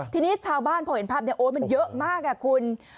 ทีนี้ชาวบ้านพอเห็นภาพมันเยอะมากคุณ